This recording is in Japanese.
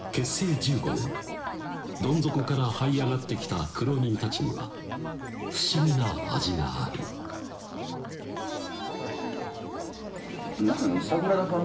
１５年どん底からはい上がってきた苦労人たちには不思議な味がある何かね